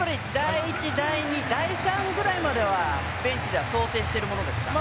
第１、第２、第３ぐらいまではベンチでは想定しているものですか？